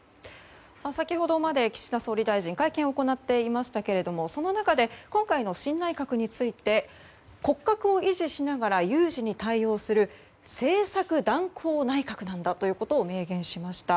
先ほどまで岸田総理大臣会見を行っていましたけれどもその中で、今回の新内閣について骨格を維持しながら有事に対応する政策断行内閣なんだということを明言しました。